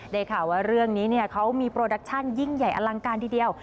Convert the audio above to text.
ได้ข่าวว่าเรื่องนี้เขามีโปรดักชั่นยิ่งใหญ่อลังการทีเดียว